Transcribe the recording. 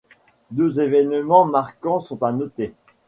Deux événements marquants sont à noter.